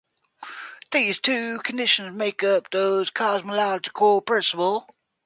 These two conditions make up the cosmological principle.